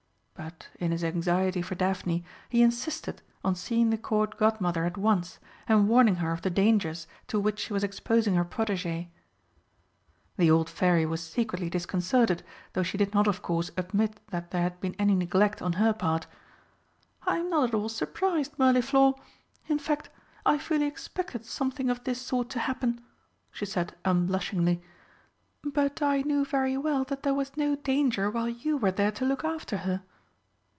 But, in his anxiety for Daphne, he insisted on seeing the Court Godmother at once and warning her of the dangers to which she was exposing her protégée. The old Fairy was secretly disconcerted, though she did not of course admit that there had been any neglect on her part. "I am not at all surprised, Mirliflor. In fact, I fully expected something of this sort to happen," she said unblushingly. "But I knew very well that there was no danger while you were there to look after her."